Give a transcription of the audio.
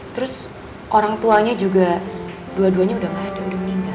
terus orang tuanya juga dua duanya udah ngadem meninggal